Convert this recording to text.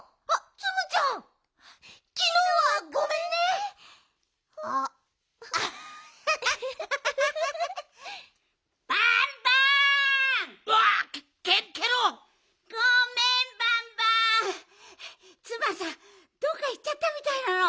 ツバンさんどっかいっちゃったみたいなの。